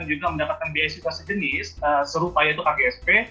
dan juga mendapatkan beasiswa sejenis serupa yaitu kgsp